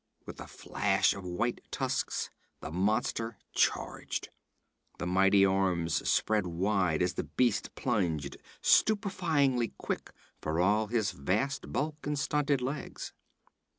With a flash of white tusks, the monster charged. The mighty arms spread wide as the beast plunged, stupefyingly quick for all his vast bulk and stunted legs.